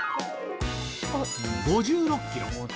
５６キロ。